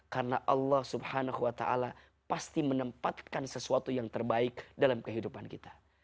karena allah subhanahu wa ta'ala pasti menempatkan sesuatu yang terbaik dalam kehidupan kita